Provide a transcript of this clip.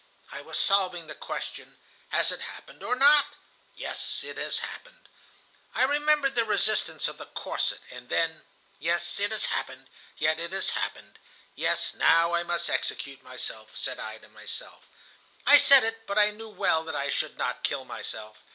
I was solving the question: 'Has it happened or not? Yes, it has happened.' "I remembered the resistance of the corset, and then. ... 'Yes, it has happened. Yes, it has happened. Yes, now I must execute myself,' said I to myself. "I said it, but I knew well that I should not kill myself.